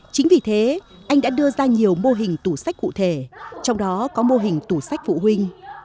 chính vì thế anh đã đưa ra nhiều mô hình tủ sách cụ thể trong đó có mô hình tủ sách phụ huynh